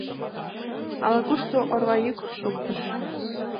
Ала-кушто орва йӱк шоктыш.